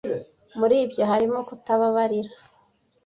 Muri ibyo harimo kutababarira,